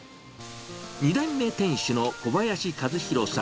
２代目店主の小林一浩さん。